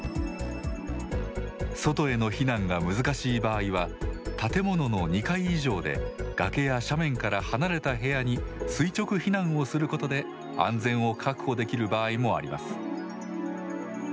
外への避難が難しい場合は建物の２階以上で崖や斜面から離れた部屋に垂直避難をすることで安全を確保できる場合もあります。